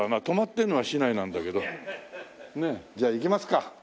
泊まってるのは市内なんだけど。じゃあ行きますか。